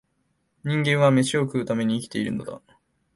人間は、めしを食うために生きているのだ